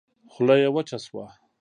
خوله يې وچه شوه.